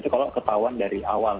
kalau ketahuan dari awal